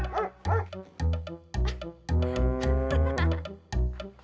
bisa gue suruh jalan sama anjing sih